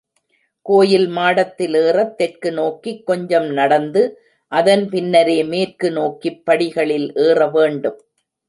கோயில் மாடத்தில் ஏறத் தெற்கு நோக்கிக் கொஞ்சம் நடந்து, அதன் பின்னரே மேற்கு நோக்கிப் படிகளில் ஏறவேண்டும்.